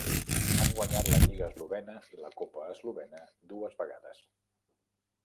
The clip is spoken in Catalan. Han guanyat la lliga eslovena i la copa eslovena dues vegades.